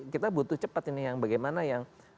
kita butuh cepat ini yang bagaimana yang